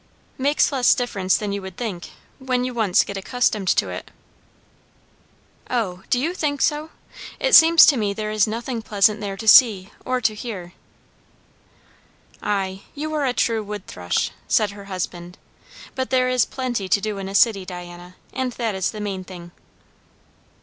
"Makes less difference than you would think, when you once get accustomed to it." "O, do you think so! It seems to me there is nothing pleasant there to see or to hear." "Ay, you are a true wood thrush," said her husband. "But there is plenty to do in a city, Diana; and that is the main thing."